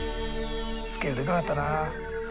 スケールでかかったな。